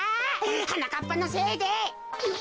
はなかっぱのせいで。